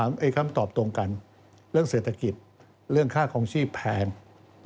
คำตอบตรงกันเรื่องเศรษฐกิจเรื่องค่าคลองชีพแพง